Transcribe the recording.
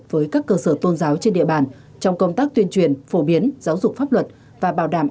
với các cơ sở tôn giáo trên địa bàn trong công tác tuyên truyền phổ biến giáo dục pháp luật